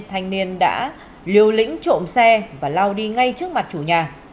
thanh niên đã liều lĩnh trộm xe và lao đi ngay trước mặt chủ nhà